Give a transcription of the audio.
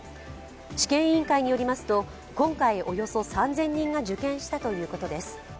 試験委員会によりますと今回およそ３０００人が受験したということです。